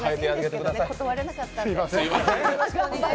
断れなかったんで。